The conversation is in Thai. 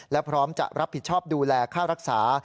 และพร้อมจะรับผิดชอบดูแลค่ารักษา